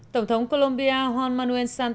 tổng thống colombia juan manuel santos khẳng định